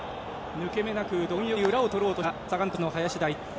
抜け目なくどん欲に裏をとろうとしたサガン鳥栖の林大地。